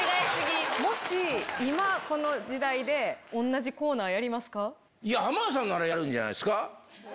もし、今、この時代で、いや、浜田さんなら、やるんじゃないですか。